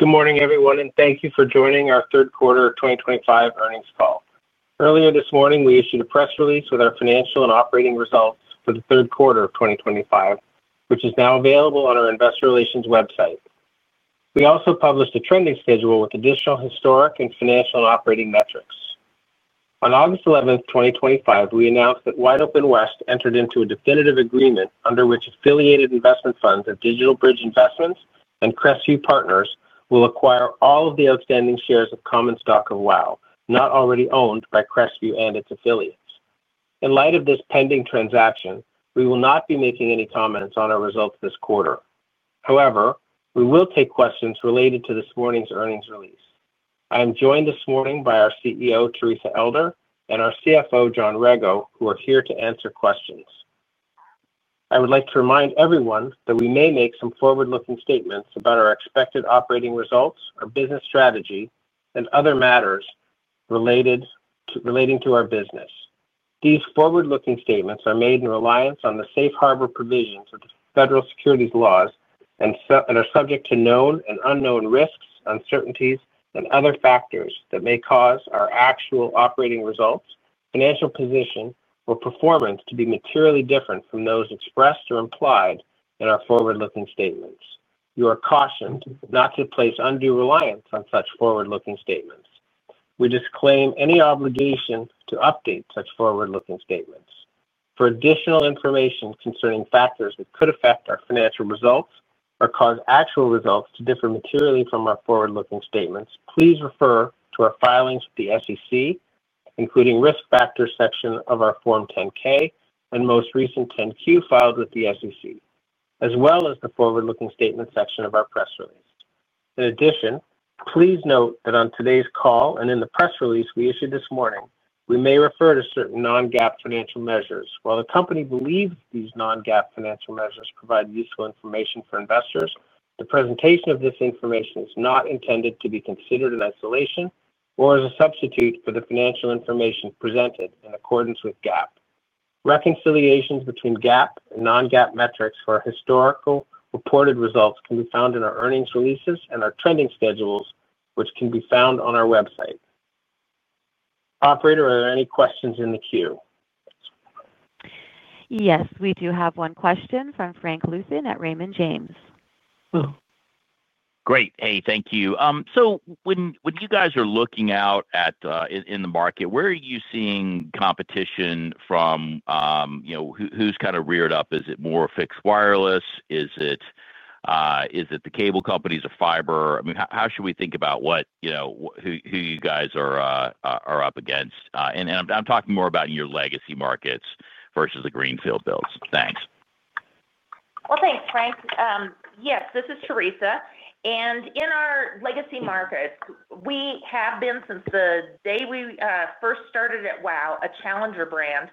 Good morning, everyone, and thank you for joining our third quarter of 2025 earnings call. Earlier this morning, we issued a press release with our financial and operating results for the third quarter of 2025, which is now available on our Investor Relations website. We also published a trending schedule with additional historic and financial and operating metrics. On August 11, 2025, we announced that WideOpenWest entered into a definitive agreement under which affiliated investment funds of DigitalBridge Investments and Crestview Partners will acquire all of the outstanding shares of Common Stock of WOW, not already owned by Crestview and its affiliates. In light of this pending transaction, we will not be making any comments on our results this quarter. However, we will take questions related to this morning's earnings release. I am joined this morning by our CEO, Teresa Elder, and our CFO, John Rego, who are here to answer questions. I would like to remind everyone that we may make some forward-looking statements about our expected operating results, our business strategy, and other matters relating to our business. These forward-looking statements are made in reliance on the safe harbor provisions of the federal securities laws and are subject to known and unknown risks, uncertainties, and other factors that may cause our actual operating results, financial position, or performance to be materially different from those expressed or implied in our forward-looking statements. You are cautioned not to place undue reliance on such forward-looking statements. We disclaim any obligation to update such forward-looking statements. For additional information concerning factors that could affect our financial results or cause actual results to differ materially from our forward-looking statements, please refer to our filings with the SEC, including risk factors section of our Form 10-K and most recent Form 10-Q filed with the SEC, as well as the forward-looking statement section of our press release. In addition, please note that on today's call and in the press release we issued this morning, we may refer to certain non-GAAP financial measures. While the company believes these non-GAAP financial measures provide useful information for investors, the presentation of this information is not intended to be considered in isolation or as a substitute for the financial information presented in accordance with GAAP. Reconciliations between GAAP and non-GAAP metrics for our historical reported results can be found in our earnings releases and our trending schedules, which can be found on our website. Operator, are there any questions in the queue? Yes, we do have one question from Frank Luouthan at Raymond James. Great. Hey, thank you. When you guys are looking out in the market, where are you seeing competition from? Who's kind of reared up? Is it more fixed wireless? Is it the cable companies or fiber? I mean, how should we think about who you guys are up against? I'm talking more about in your legacy markets versus the greenfield builds. Thanks. Thank you, Frank. Yes, this is Teresa. In our legacy markets, we have been, since the day we first started at WOW, a challenger brand.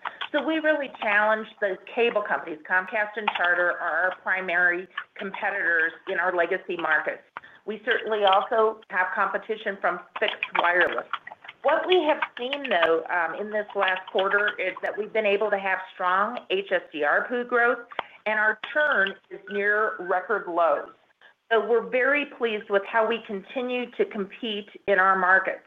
We really challenge the cable companies. Comcast and Charter are our primary competitors in our legacy markets. We certainly also have competition from fixed wireless. What we have seen, though, in this last quarter is that we've been able to have strong HSDR pool growth, and our churn is near record lows. We are very pleased with how we continue to compete in our markets.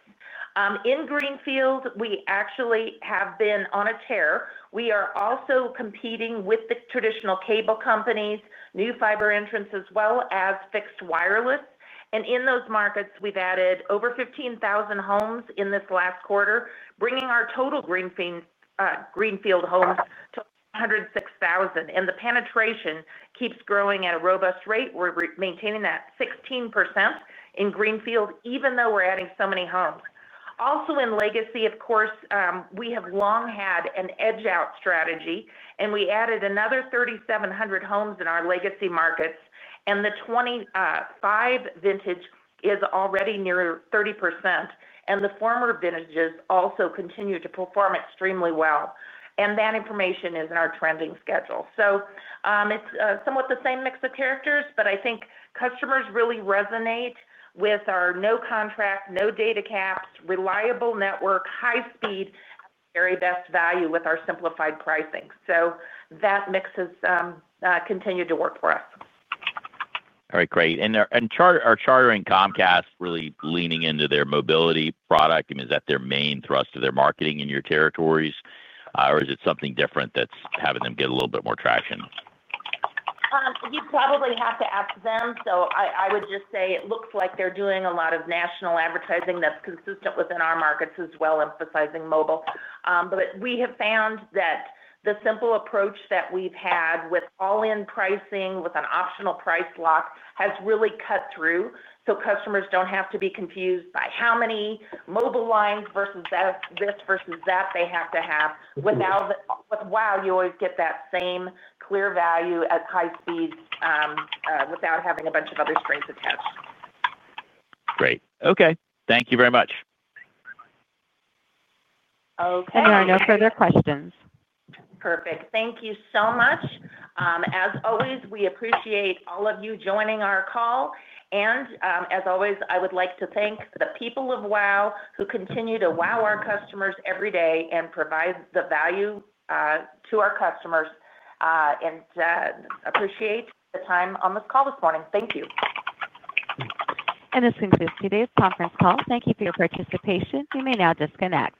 In greenfield, we actually have been on a tear. We are also competing with the traditional cable companies, new fiber entrants, as well as fixed wireless. In those markets, we've added over 15,000 homes in this last quarter, bringing our total greenfield homes to 106,000. The penetration keeps growing at a robust rate. We're maintaining that 16% in greenfield, even though we're adding so many homes. Also, in legacy, of course, we have long had an edge-out strategy, and we added another 3,700 homes in our legacy markets. The 2025 vintage is already near 30%, and the former vintages also continue to perform extremely well. That information is in our trending schedule. It is somewhat the same mix of characters, but I think customers really resonate with our no contract, no data caps, reliable network, high speed, and the very best value with our simplified pricing. That mix has continued to work for us. All right. Great. Are Charter and Comcast really leaning into their mobility product? I mean, is that their main thrust of their marketing in your territories, or is it something different that's having them get a little bit more traction? You probably have to ask them. I would just say it looks like they're doing a lot of national advertising that's consistent within our markets as well, emphasizing mobile. We have found that the simple approach that we've had with all-in pricing with an optional price lock has really cut through. Customers don't have to be confused by how many mobile lines versus this versus that they have to have with WOW. You always get that same clear value at high speeds without having a bunch of other strings attached. Great. Okay. Thank you very much. Okay. There are no further questions. Perfect. Thank you so much. As always, we appreciate all of you joining our call. As always, I would like to thank the people of WOW who continue to wow our customers every day and provide the value to our customers. I appreciate the time on this call this morning. Thank you. This concludes today's conference call. Thank you for your participation. You may now disconnect.